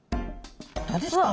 どうですか？